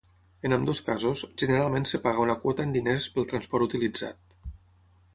En ambdós casos, generalment es paga una quota en diners pel transport utilitzat.